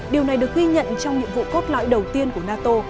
điều này được ghi nhận trong nhiệm vụ cốt lõi đầu tiên của nato